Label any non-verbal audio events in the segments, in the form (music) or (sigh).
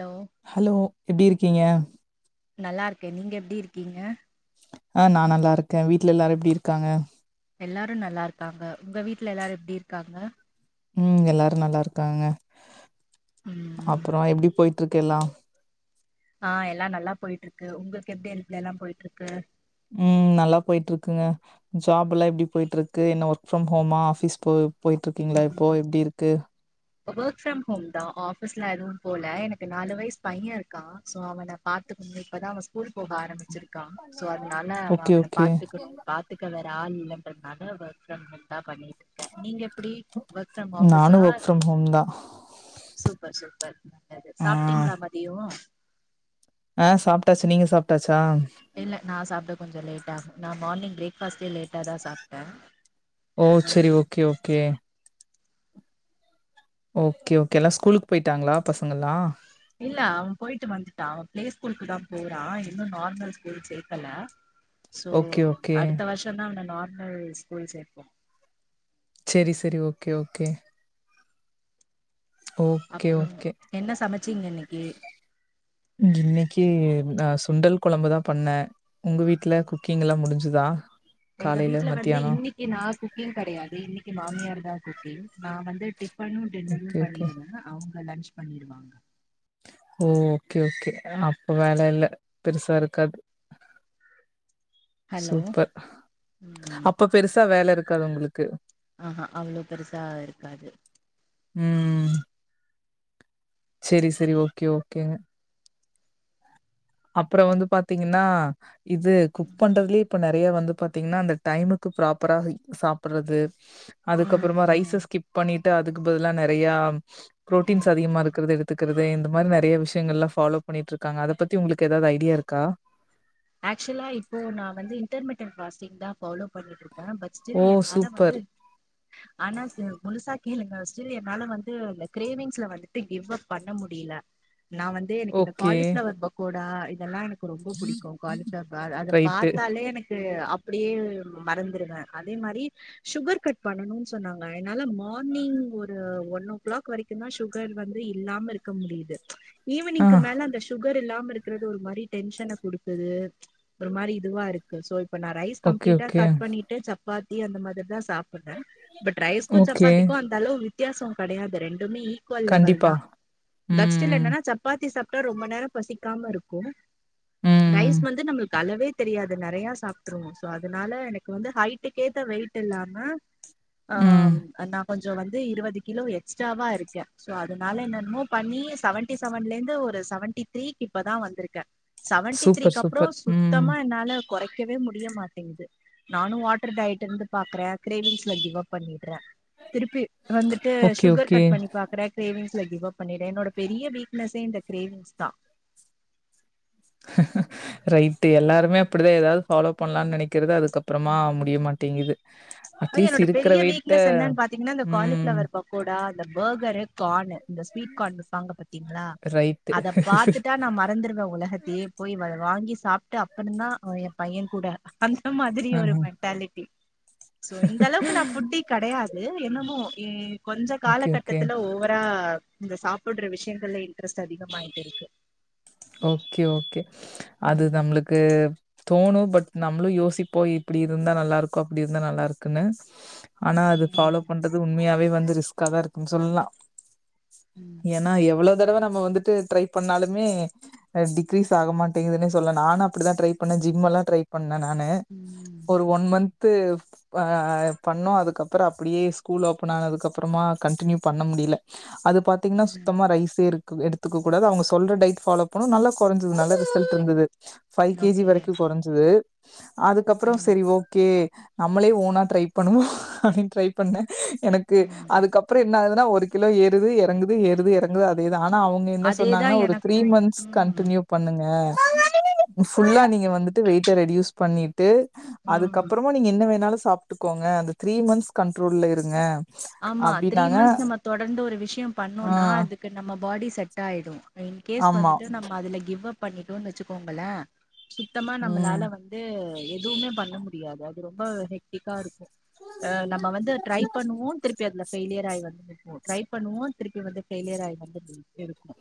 Hello hello எப்படிருக்கீங்க நல்லா இருக்கே நீங்க எப்டி இருக்கீங்க ஆஹ் நா நல்லா இருக்கே வீட்டுல எல்லாரு எப்படிருக்காங்க எல்லாரும் நல்லா இருக்காங்க உங்க வீட்டுல எல்லாரு எப்டி இருக்காங்க உம் எல்லாரு நல்லாருக்காங்க ம் அப்பறோ எப்டி போயி ட்டுருக்கெல்லா ஆஹ் எல்லா நல்லா போயிட்ருக்கு உங்களுக்கு எப்டி இத்துல எல்லா போயிட்ருக்கு உம் நல்லா போயிட்ருக்குங்க ஜாப் எல்லா எபடி போயிட்ருக்கு என்ன ஒர்க் ஃப்ரம் ஹோமா ஆபீஸ் போ போயிட்ருக்கீங்களா இப்போ ம் எப்டி இருக்கு ஒர்க் ஃப்ரம் ஹோம் தா ஆஃபீஸ்ல எதுவும் போல எனக்கு நாலு வயசு பையன் இருக்கா சோ அவன்னை பாத்துக்கு இப்பதா அவன் ஸ்கூல் போக ஆரம்பிச்சி சோ அதனால ஓகே, அவங்கனை ஓகே. பாத்துக்கணு பாத்துக்க வேற யார் (unintelligible) ஒர்க் பிரம் ஹோம் தா பண்ணிட்ருக்கே நீங்க அப்டி வ்ர்க் பிரம் ஆபிஸா நானும் ஒர்க் ஃப்ரம் ஹோம் தான். சூப்பர் சூப்பர் நல்லது ஆ, சாப்பிட்டீங்களா மதிய ஆஹ் சாப்ட்டாச்சு நீங்க சாப்ட்டாச் இல்ல நா சாப் கொஞ்ச லேட்டாகு நா மார்னிங் பிரேக்ஃபாஸ்ட்டே லேட்டா தா சாப்ட்டே ஓ ஆ சரி ஓகே ஓகே ஓகே ஓகே எல்லா ஸ்கூலுக்கு போயிட்டாங்களா பசங்கல்லா இல்ல அவன் போயிட்டு வந்துட்டா அவன் பிளே ஸ்கூலுக்கு தா போறா இன்னு நார்மல் ஸ்கூல் சேக்கல சோ ஓகே, ஓகே. அடுத்த வருஷந்தா அவன நார்மல் ஸ்கூல் சேப்போ சரி சரி ஓகே ஓகே ஓகே ஓகே சிங்க இன்னிக்கு இன்னிக்கு நா சுண்டல் கொழம்புதா பண்ணே உங்க வீட்டுல குக்கிங் எல்லா முடிஞ்சுதா எங்க காலையில, வீட்டு்ல வந்து மத்தியானம்? இன்னிக்கு நா குக்கிங் கெடையாது இன்னிக்கு மாமியார் தா ஓகே நா வந்து டிப் பண் டென்னுனு ஓகே, ஓகே. பண்ணிடுவேனா அவங்க லன்ச் பண்ணிடுவாங்க ஓ ஓகே ஓகே அப்ப வேல இல்ல பெருசா இருக்காது ஹலோ சூப்பர் அப்ப பெருசா வேல இருக்காது உங்ளுக்கு ஆஹஹா அவ்ளோ பெருசா இருக்காது உம் சரி சரி ஓகே ஓகேங்க அப்றோ வந்து பாத்தீங்கன்னா இது குக் ம் பண்றதுலயே இப்ப நெறையா வந்து பாத்தீங்கன்னா அந்த டைமுக்கு ப்ராப்பரா சாப்பறது அதுக்கப்றமா ரைஸ ம் ஸ்கிப் பண்ணிட் ட்ட அதுக்குபதிலா நெறையா ம் புரோட்டீன்ஸ் அதிகமா ம் இருக்குறத எடுத்துக்கறது இந்த மாரி நெறைய விஷயங்கள ஃப்பால்லோ பண்ணிட்டு இருக்காங்க அத பத் தி உங்ளுக்கு எதாவது ஐடியா இருக்கா ஆக்சுவலா இப்போ நா வந்து இன்டர்மீட்டர் ப்ராசிங் தா ஃபாலோ பண்ணிட்ருக்கே பசிச்சது ஓ! என்னால சூப்பர். வந்து ஆனா முழுசா கேளுங்க (unintelligible) என்னால வந்து இந்த கிரேவிங்ஸ்ல வந்துட்டு கிவ் அப் பண்ண முடியல நா வந்து எனக்கு இந்த ஓகே. காலிஃப்ளவர் பக்கோடா இதெல்லா எனக் ரொம்ப புடிக்கு காலிஃப்ளவர் அத ரைட்டு. பாத்தாலே எனக் க்கு அப்டியே மறந்துருவே அதே மாரி சுகர் கட் பண்ணணுனு சொன்னாங்க என்னால மார்னிங் ஒரு ஒன் ஓ கிளாக் வரைக்கு தா சுகர் வந்து இல்லாம இருக்க முடியுது ஆ. ஈவ்னிங்கு மேல அந்த சுகர் இல்லாம இருக்றது ஒரு மாரி டென்ஷன குடுக் க்குது ம்ச் ஒரு மாரி இதுவா இருக்கு சோ இப்ப நா ரைஸ் ஓகே, கம்ப்ளீட்டா ஓகே. கட் பண்ணிட்டு சப் பாத்தி அந்த மாதிரிதா சாப்ட்றே பட் ரைஸ்கு ஓகே. சப்பாத்திக்கு அந்த அளவு வித் வித்யாசோ கெடையாது ரெண் எல்லாமே ஈக்குவல் லெவல் கண்டிப்பா. தா தட்ஸ் ஸ்டில் ம், ம். என்னனா சப்பாத்தி சாப் ரொம்ப நேரோ பசிக்காம இருக்கு ரைஸ் ம், வந்து நம்ளுக்கு அளவே தெரியாது நெறையா சாப்ட்டுருவோ சோ அதனால எனக்கு வந்து ஹைட்டுக்கேத்த வெயிட்டு இல்லாம ம். ஆம் கொஞ்ஜோ வந்து இருவது கிலோ எக்ஸ்ட்டாவா இருக்கே சோ அதனால என்னென்னமோ பண்ணி செவன்டி செவன்ல இருந்து ஒரு செவன்டி த்ரீக்கு இப்பதா வந்துருக்கே செவன்டி சூப்பர், த்ரீக்கி அப்பறோ சூப்பர். ம். சுத்தமா என்னால கொறக்கவே முடிய மாட்டேங்குது நானு வாட்டர் டயட் இருந்து பாக்குறே கிரேவிஸ்ல கிவ் அப் பண்ணிட்றே திருப்பி வந்துட்டு ஓகே, சுகர் ஓகே. கட் பண்ணி பாக்குறே க்ரேவிஸ் கிவ் அப் பண்ணிடுறே என்னோட பெரிய வீக்னஸே இந்த கிரேவி்ங்க்ஸ்தா ரைட்டு எல்லாருமே அப்டிதா எதாவது ஃபாலோ பண்ணலான்னு நெனக்கிறது அதுக்கப்பறமா முடியமாட்டேங்குது அதா என்னோட பெரிய வீக்னஸ் என்னன்னு பாத்தீங்கன்னா இந்த ம் காலிஃபிளவர் பக்கோடா அந்த ஃபர்கரு ஃகான்னு இந்த ஸ்வீட் ஃகான் விபாபாங்க பாத்தீங்களா ரைட்டு. அத பாத்துட்டா நா மறந்துருவே உலகத்தையே போய் மொத அத வாங்கி சாப்ட்டு அப்பறந்தா ஏ பையன் கூட அந்த மாதிரி ஒரு ம்ஹ்ம். மென்டாலிட்டி இந்த அளவுக்கு நா புட்டி கெடையாது என்ன கு உம் கொஞ்ச ஓகே, ஓகே. காலகட்டத்துல ஓவரா இந்த சாப்ட்டுற விஷயங்கள்ல இன்ட்ரெஸ்ட் அதிகமாயிட்டு இருக்கு ஓகே ஓக் கே அது ம் நம்மளுக்கு தோணு பட் நம்மளு யோசிப்போ இப்டி இருந்தா நல்லா இருக்கோ அப்டி இருந்தா நல்லா இருக்குன்னு ஆனா அது ஃபாலோ பண்றது உண்மையாவே வந்து ரிஸ்காதா இருக்குன்னு சொல்லலா ம் ம் என்னா எவ்ளோ இந்த தடவ நம்ம வந்துட்டு ட்ரை பண்ணாலுமே ட்க்ரீஸ் ஆக மாட்டேங்குதுன்னே சொல்ல நானு அப்டிதா ட்ரை பண்ணே ஜிம் எல்லா ட்ரை பண்ணே ணே நானு ம் ஒரு ஒன் மன்து வா பண்ணோ அதுக்கப்பறோ அப்புடியே ஸ்கூல் ஓப்பன் ஆனதுக்கு அப்பறமா கண்டினியூ பண்ண முடியல அது பாத்தீங்கன்னா ம் சுத்தமா ரைஸே இருக்கு எடுத்துக்க கூடாது அவுங்க சொல்ற டய்ட் ஃபாலோ அப்பறோ நல்லா கொறஞ்சுது நல்ல ரிசல்ட் இருந்துது ஃபைவ் கேஜி ஓகே வரைக்கு கொறஞ்சுது அதுக்கப்பறோ ம் செரி ஓகே நம்மளே ஓனா ட்ரை பண்ணுவோ அப்டின்னு ட்ரை பண்ணே எனக்கு அதுக்கப்பறோ என்ன ஆகுதுன்னா ஒரு கிலோ ஏறுது இறங்குது ஏறுது இறங்குது அதே ஆனா அவுங்க என்ன அதேதா சொன்னாங்கன்னா ஒரு த்ரீ எனக்கு மந்த்ஸ் ம் கன்டினியூ பண்ணுங்க ஃபுல்லா நீங்க வந்துட்டு வெயிட்ட ரெடியூஸ் பண்ணி ட்டு ம் அதுக்கப்பறமா நீங்க என்ன வேணாலு சா சாப்ட்டுக்கோங்க அந்த த்ரீ மந்த்ஸ் கண்ட்ரோல இருங்க ஆமா த்ரீ அப்டின்னாங்க. மந்த்ஸ் நம்ம தொடர்ந்து ஒரு விஷயோ ஆ பண்ணோனா அதுக்கு நம்ம பாடி செட் ஆயிடு இன் கேஸ் ஆமா. வந்துட்டு நம்ம அதுல கிவ் அப் பண்ணிட்டோன் வச்சுக்கோங்களே சுத்தமா ம் நம்மளால வந்து எதுமே பண்ண முடியாது ரொம்ப ஹெக்டிக்கா இருக்கு ஆ நம்ம வந்து ட்ரை பண்ணுவோ திருப்பி அதுல ஃபெயிலியர் (unintelligible) ட்ரை பண்ணுவோ திருப்பி வந்து பெயிலியர் ஆயி வந்துட்ருக்கு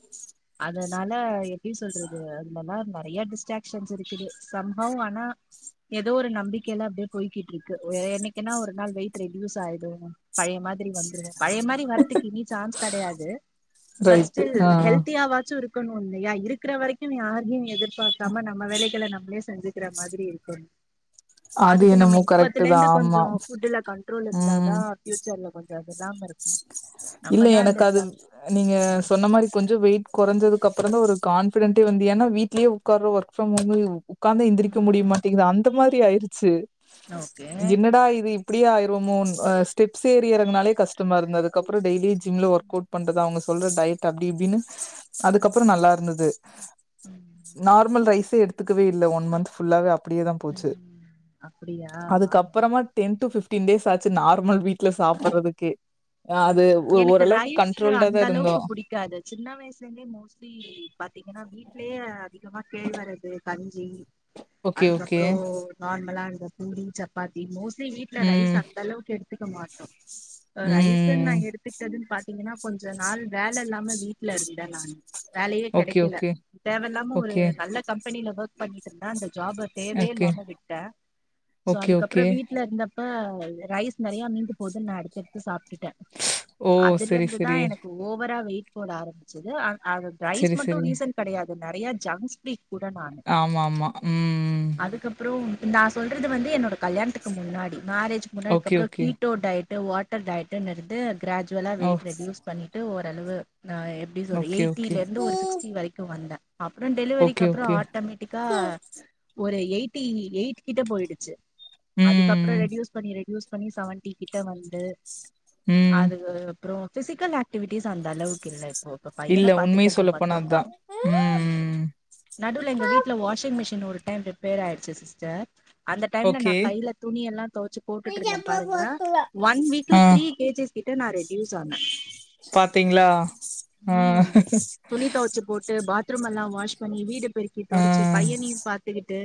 அதனால எப்டி சொல்றது அது நம்ம மே நெறய டிஸ்ரேக்சன்ஸ் இருக்குது சம்பவம் ஆனா ஏதோ ஒரு நம்பிக்கையல்லா அப்படியே போய்கிட் இருக்கு வேற என்னைக்குன்னா ஒரு நாள் வெய் ரெடுயுஸ் ஆயிடு பழைய மாதிரி வந்துருவோ பழைய மாரி வரதுக்கு இனி சான்ஸ் கெடயாது பட் ரைட்டு. ஸ்டில் ஆ. ஹெல்த்தியாவாச்சு இரு இருக்குனு இல்லையா இருக்கற வரைக்கு யாரையு எதிர்பாக்காம நம்ம வேலைகள நம்மளே செஞ்சுக்கற மாதிரி இருக்கோனு அது அதுக்கு நம்ம என்னமோ கரெக்ட்டு இப்பத்தல இருந்து தான். ஆமா. கொஞ்சோ ஃபுட்ல கண்ட்ரோல் இருந்தாதா ம். பியூச்சர்ல்ல கொஞ்சோ அது இல்ல நம்மதான் அந்த எனக்கு அது ஜங்க் நீங்க ம் சொன்ன மாரி கொஞ்சோ வெயிட் கொறஞ்சது அதுக்கப்பறோ தா ஒரு கான்பிடெண்ட்டே வந்து ஏன்னா வீட்லயே உட்கறோ ஒர்க் ப்ரம் ஹோம் உக்காந்தா எந்திரிக்க முடிய ம் மாட்டங்கிது அந்த மாரி ஆயிருச்சு ஓகே என்னடா இது அப்படியே ஆயிரவமோ ஆ ஸ்டெப்ஸ் ஏறி இறங்னாலே கஷ் டமா இருந்தது அதுக்கப்றோ டெய்லி ஜிம்ல ஒர்க் அவுட் பண்றது அவுங்க சொல்ற டயெட் அப்படி இப்படின்னு அதுக்கப்புறோ நல்லா இருந்தது ம் நார்மல் ரைஸே எடுத் ஒத்துக்கவே இல்ல ஒன் மந்த் ஃபுல்லாவே அ ப்டியே தா போச்சு ம் அப்படியா ஆமா அதுக்கப்பறமா ten to fifteen days ஆச்சு நார்மல் வீட்ல சாப்புட்றதுக்கே அது எனக்கு ஓரளவுக்கு ரைஸ் கண்ட்ரோல்டா அந்த தா இருந்தோ அளவுக்கு புடிக்காது சின்ன வைய்ஸ்லந்தே மோஸ்லி பாத்தீங்கன்னா வீட்லேயே அதி கமா கேழ்வரகு கஞ் சி ஓகே ஓகே அதுக்கப்றோ நார்மலா இந்த பூரி சப்பாத்தி மோஸ்ட் லி வீட்ல ரைஸ் ம், அந்தலவ்க் எடுத் த்துக்க மாட்டோ ஆஹ் ரைஸ் ஸுனு நா ம். எடுத்துக்கிட்டதுன் பாத்தீங்கன்னா கொஞ்ச நாள் வேலல்லாம வீட்ல இருந் த நானு வேலயே ஓகே, கெடைக்கல ஓகே, தேவல்லாம ஒரு ஓகே, நல்ல கம்பெனில ஓர்க் பண்ணிட்டந்தா அந்த ஜாப தேவ்யே ஓகே, இல்லாம விட்டே சோ ஓகே, அதுக்கப்பறோ ஓகே. வீட்ல இருந்தப் இப்ப ரைஸ் நெறயா மீந்து போதுன் நா எடுத்தெடுத்து சாப்ட்டுட்டே ஓ! அதுல சரி, இருந்துதா சரி, எனக்கு ஓவரா வெயிட் போட ஆரம்பிச்சது அது த்ரைஸ் சரி, மட்டு சரி. ரீசன் கெடையாத் நெறையா ஜங்ஸ்ஃப்லீக் ஆமா ம் உம் உம் அதுக்கப்புறோ நா சொல்றது வந்து என்னோட கல்யாணத்துக்கு முன்னாடி மேரேஜ் முன்ன இதுக் ஓகே, அப்பறோ ஓகே. கீட்டோ டயட் ட்டு வோட்டர் டயட்டு இருந் து கிராஜுவலா ஓ! வெயிட் ரெடியூஸ் பண்ணிட்டு ஒர் செலவு நா எப்டி சொல்ற ஓகே, ஓகே. எய்ட்டில இருந்து ஒரு சிக்ஸ்டி வரைக்கு வந்தா அப்றோ ஓகே, டெலிவரிக்கு அப்றோ ஓகே. ஆட்டமேட்டிக்கா ஒரு எய்ட்டி எய்ட் கிட்ட போயிடிச்சு அதுக்கப்பறோ ம், ரெடியூஸ் பண்ணி ரெடியூஸ் இப்ப நீ செவன்டி கிட்ட வந்து ம். அதுக்கு அப்றோ ஃபிசிக்கல் ஆக்டிவிட்டிஸ் அந்த அளவுக்கு இல்ல ப்ப பையன இல்ல உண்மைய பாத்துக்கிறது சொல்லப்போனா மட்டுதா அதான். உம் ம். நடுல எங்க வீட்ல வாஷிங் மிஷின் ஒரு டைம் ரிப்பேர் ஆயிடுச்சு சிஸ்டர் அந்த டைம்ல நா ஓகே. கையில துணி எல்லா தொவச்சு போட்டுட்டு இருந்தே பாருங்க ஒன் வீக்ல த்ரீ கேஜிஸ் கிட்ட நா ரெடியூஸ் ஆனே பாத்தீங்களா ம் ஆஹ் துணி துவச்சு போட்டு பாத்ரூம் எல்லா வாஷ் பண்ணி வீடு பெருக்கி ஆ. தொடச்சு பையனையு பாத்துக்கிட்டு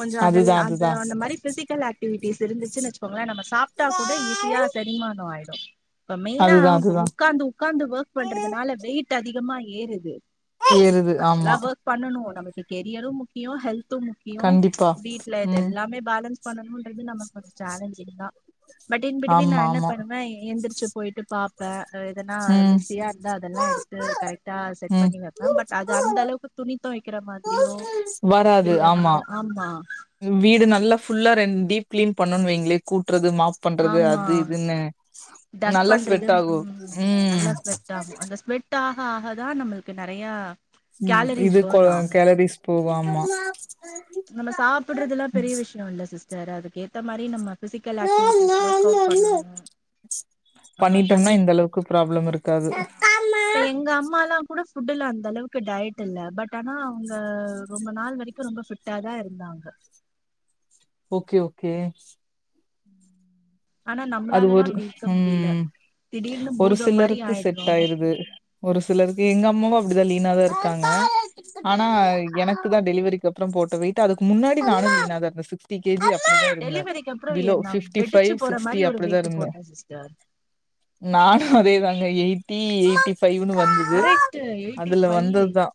கொஞ்சோ அதுதான், அதெல்லா அத அதுதான். அந்த மாதிரி பிசிகல் ஆக்ட் க்விடீஸ் இருந்துச்சு வச்சுக்கோங்கலே நம்ம சாப்ட்டா கூட ஈஸியா செரிமானோ ஆய்டு இப்ப மெயினா அதுதான், அதுதான். உக்காந்து உக்காந்து ஃவெர்க் பண்றதுனால வெயிட் அதிகமாயி ஏறுது ஏறுது ஆமா கெரியரு முக்கியோ ஹெல்த் த்து முக்கியோ கண்டிப்பா வீட்ல இது ம் எல்லாமே ஃபேலன்ஸ் பண்ணனுன் இது நமக்கு கொஞ்ச ஃசேலஞ்சிங் தா பட் இன் பிட்வீன் நா ஆமா என்ன ஆமா பண்ணுவே எந்துருச் போயிட்டு பாப்பே எதனா ம் மெஸ்ஸியா இருந்தா அதெல்லா எடுத்து கரெக்டாக செட் ம் பண்ணி வப்பே பட் அது அந்த அளவுக்கு துணி தொவைக்கிற மாதிரியோ வராது இல்ல ஆம்மா வந்து ஆமா வீடு நல்லா ஃபுல்லா ரென்ட் டீப்கிளீன் பண்ணோன் வைங்ளே கூட் ட்றது ஃமாப் பண்றது ஆமா அது இதுன்னு டஸ்ட் நல்ல பண்றது ஸ்வெட் ஆகு ம் ஆ ஹதா நம்மளுக்கு நெறையா ம் கேலரிஸ் இது பர்ன் கொலர் ஆகு ஃஹேலரீஸ் போவாம்மா நம்ம சாப்புடுறதுல்லா பெரிய விஷயோ இல்ல சிஸ் சேர் அதுக்கேத்த மாரி நம்ம பிசிக்கல் ஆக்டிவிட்டிஸ் ஃவெர்க் அவுட் பண்ணணு நம்ம தண்ணி பண்ணிட்டம்னா இந்த அளவுக்கு ப்ராப்ளம் இருக்காது ஃபுட்டு்ல அந்த அளவுக்கு டயட் இல்ல பட் ஆனா அவுங்க ரொம்ப நாள் வரைக்கும் ரொம்ப பிட்டாதா இருந்தாங்க ஓக்கே ஓக்கே ம் அது ஒரு ம் ம் திடீர்னு ஒரு பூதம் மாரி சிலருக்கு ஆயிடுறோ செட் ஆயிருது ஒரு சிலருக்கு எங்க அம்மாவு (unintelligible) லீனாதா இருக்காங்க ஆனா எனக்குதா டெலிவரிக்கு அப்றோ போட்ட வெயிட்டு அதுக்கு முன்னாடி நானு லீனாதா இருந்தே பிப்டி கேஜி அப் இருந்தேன் டெலிவரிக்கு அப்புறோ ஃபிலோ நா பிப்டி ஃபைவ் வெடிச்சு போற ஃசிக்ஸ் மாரி இங்கேயு ஒரு அப்புடிதா வெயிட் இருந்தே போட்டே சிஸ்டர் நானு அதேதா காங்க எயிட்டி எயிட்டி ஃபைவ்னு வந்துது கரெக்ட் எயிட்டி அதுல ஃபைவ் வந்ததுதா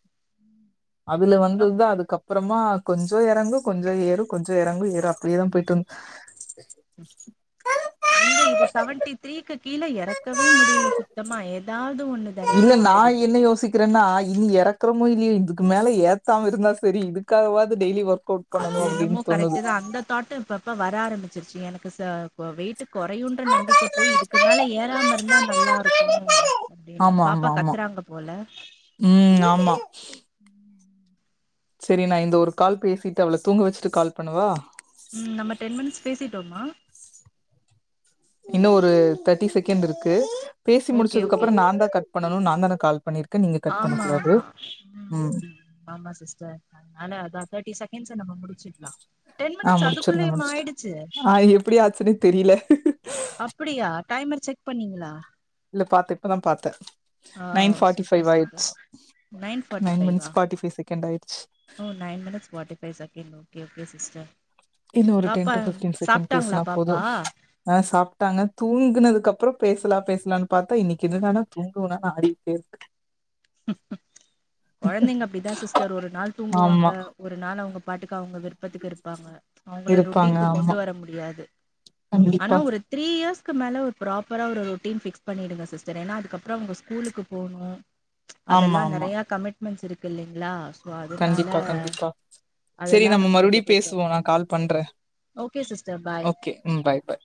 அதுல எங்க வந்ததுதா அதுக் அப்புறமா கொஞ்சோ எறங்கு கொஞ்சோ ஏறும் கொஞ்சோ எறங்கும் ஏறு இது அப்டியே தா ம், போயிட்டு எங்க இது செவன்டி த்ரீக்கு கீழே இறக்கவே முடியல சுத்தமா ஏது (inaudible) இல்ல நா என்ன யோசிக்கிறேன்னா இனி எறக் நடக்கிறமோ இல்லியோ இதுக்கு மேல ஏத் தாம இருந்தா செரி இதுக்காவது டெய்லி ஒர்க் அவுட் அது பண்ணணும் அப்படின்னு என்னமோ கரெக்ட் தோணுது தா அந்த தாட் இப்ப இப்ப வர ஆரம்பிச் வந்திருச்சு எனக்கு வெயிட் குறையுன்ற நம்பிக்கை போய் இதுக்கு மேல ஏறாம இருந்தா நல்லா இருக்கு அப்டின்னு ஆமா ஆமா பாப்பா ஆமா கத்துறாங்க போல ம் செரி நா இந்த ஒரு கால் பேசிட்டு அவள தூங்க வெச்சுட்டு கால் பண்ணவா உம் நம்ம டென் மினிட்ஸ் பேசிட்டோமா இன்று ஒரு கெர்ரி செகன்ட் இருக்கு பேசி ஓகே முடிச்சதுக்கு ஓகே அப்புறோ நா தா கட் பண்ணனு நா தான கால் பண்ணிருக்கேன் நீங்க கட் ஆமா பண்ணக்கூடாது ஆமா ம் ஆமா சிஸ்டர் அதனலாஅத தேர்ட்டி செகண்ட் நம்ம முடிச்சு ல ஆஹ் முடிச்சிரல முடிச்சு ஆஹ் எப்டி ஆச்சுன்னே தெரில அப்டியா டைமர் செக் பண்ணீங்களா இல்ல பாத்த இப்பதா பாத்த ஆ சூப்பர் சூப்பர் நைன் மினிட்ஸ் ஃபார்டிபைவா ஃபார்ட்டி ஃபைவ் செகண்ட் ஆயிடுச்சு ஓ nine minutes forty five second okay okay sister இன்னும் ஒரு டென் பாப்பா டு பிப்டன் செகண்ட் சாப்ட்டாங்களா பேசனா போதும பாப்பா ஆஹ் சாப்பிட்டாங்க தூங்குனதுக்கு அப்புறோ பேசலா பேசலானு பார்த்தா இன்னிக்கு இது ம் என்னன்னா தூங்குவனான்னு ஆடிட்டு இருக்கு கெழந்திங்க அப்டி தா சிஸ்டர் ஒரு நாள் தூங்குவாங்க ஆமா ஒரு நாள் அவங்க பாட்டுக்கு அவங்க விருப்பத்துக்கு இருப்பாங்க அவங்கள இருப்பாங்க ரௌட்டின்க்கு கொண்டு ஆமா வர முடியாது ஆனா கண்டிப்பா ஒரு திரீ இயர்ஸ் க்கு மேல ஒரு ப்ராப்பரா ஒரு ரௌட்டின் பிக்ஸ் பண்ணிடுங்க சிஸ்டர் ஏன்னா அதுக்கப்புறோ அவங்க ஸ்கூலுக்கு போணு ஆமா அதெல்லா ஆமா நெறைய கமிட் மன்ஸ் இருக்கு இல்லிங்களா கண்டிப்பா கண்டிப்பா செரி அதெல்லா நம்ம கொஞ்சோ மறுபடியு டேக் கேர் பேசுவோ நா பண்ணு கால் பண்றே ஓகே சிஸ்டர் பாய் ஓகே ம் பாய் பாய்